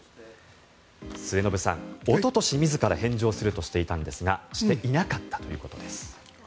末延さん、おととし自ら返上するとしていたんですがしていなかったということです。